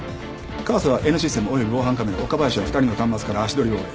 川瀬はＮシステム及び防犯カメラ岡林は２人の端末から足取りを追え。